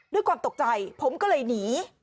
ด้วยความตกใจผมก็เลยหนี